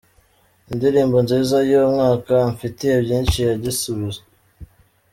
Indirimbo nziza y'umwaka: Amfitiye byinshi ya Gisubizo.